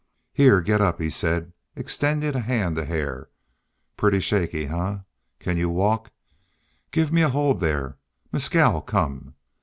"Here, get up," he said, extending a hand to Hare. "Pretty shaky, eh? Can you walk? Give me a hold there.... Mescal, come."